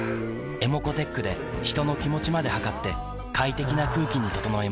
ｅｍｏｃｏーｔｅｃｈで人の気持ちまで測って快適な空気に整えます